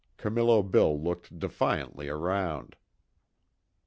Camillo Bill looked defiantly around.